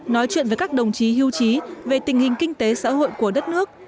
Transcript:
nói chuyện với các đồng chí hưu trí về tình hình kinh tế xã hội của đất nước